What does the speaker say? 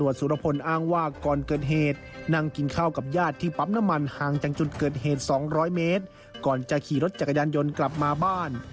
จนเกิดเหตุ๒๐๐เมตรก่อนจะขี่รถจักรยานยนต์กลับมาบ้าน